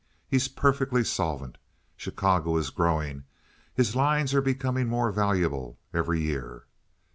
He's perfectly solvent. Chicago is growing. His lines are becoming more valuable every year."